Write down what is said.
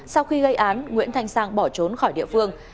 sau khi gây án nguyễn thanh sang bỏ trốn khỏi địa phương